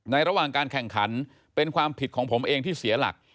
ระหว่างการแข่งขันเป็นความผิดของผมเองที่เสียหลัก